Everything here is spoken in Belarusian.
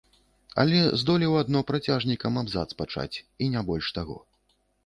Але здолеў адно працяжнікам абзац пачаць, і не больш таго.